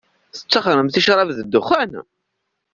Tettaxxṛemt i ccṛab d dexxan?